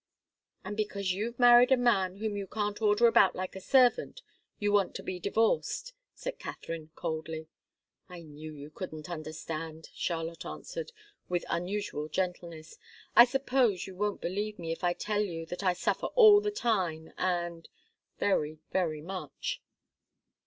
"And because you've married a man whom you can't order about like a servant, you want to be divorced," said Katharine, coldly. "I knew you couldn't understand," Charlotte answered, with unusual gentleness. "I suppose you won't believe me if I tell you that I suffer all the time, and very, very much."